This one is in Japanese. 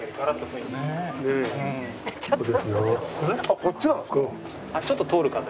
あっこっちなんですか？